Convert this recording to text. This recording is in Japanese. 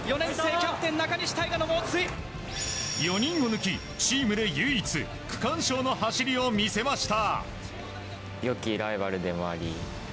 ４人を抜きチームで唯一区間賞の走りを見せました。